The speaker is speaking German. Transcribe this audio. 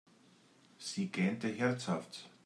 Sie gähnte herzhaft.